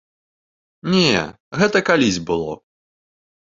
Не, гэта калісь было.